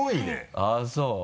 あぁそう？